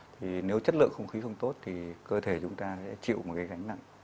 thì nếu chất lượng không khí không tốt thì cơ thể chúng ta sẽ chịu một cái gánh nặng